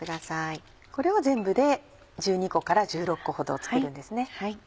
これを全部で１２個から１６個ほど作るんですね。